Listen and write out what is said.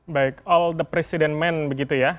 baik all the president men begitu ya